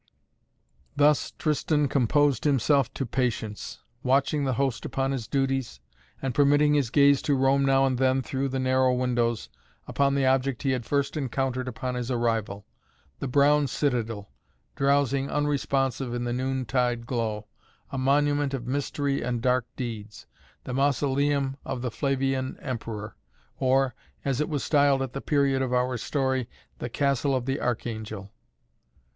Thus Tristan composed himself to patience, watching the host upon his duties, and permitting his gaze to roam now and then through the narrow windows upon the object he had first encountered upon his arrival: the brown citadel, drowsing unresponsive in the noon tide glow, a monument of mystery and dark deeds, the Mausoleum of the Flavian Emperor or, as it was styled at the period of our story, the Castle of the Archangel.